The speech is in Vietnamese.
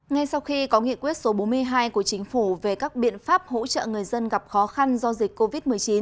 ngay sau khi có nghị quyết số bốn mươi hai của chính phủ về các biện pháp hỗ trợ người dân gặp khó khăn do dịch covid một mươi chín